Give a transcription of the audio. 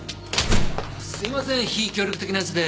すいません非協力的な奴で。